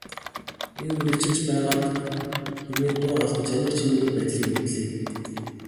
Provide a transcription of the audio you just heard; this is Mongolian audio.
Энэ үнэгчилж байгааг нь хэмээн дуу алдаж анир чимээгүй байдлыг эвдлээ.